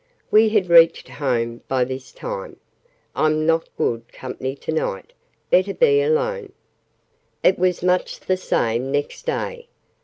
(We had reached home by this time.) "I'm not good company to night better be alone." It was much the same, next day.